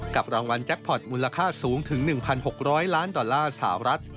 กับรางวัลแจ็คพอร์ตมูลค่าสูงถึงหนึ่งพันหกร้อยล้านดอลลาร์สหรัฐ